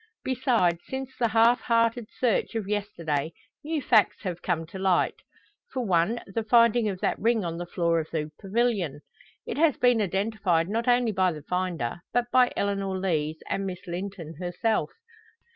Besides, since the half hearted search of yesterday new facts have come to light; for one, the finding of that ring on the floor of the pavilion. It has been identified not only by the finder, but by Eleanor Lees and Miss Linton herself.